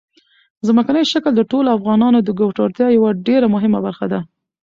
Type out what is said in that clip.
ځمکنی شکل د ټولو افغانانو د ګټورتیا یوه ډېره مهمه برخه ده.